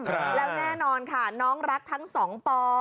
แล้วแน่นอนค่ะน้องรักทั้งสองปอ